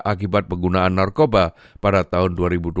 akibat penggunaan narkoba pada tahun dua ribu dua puluh satu